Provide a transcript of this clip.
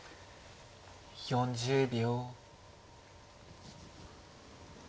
４０秒。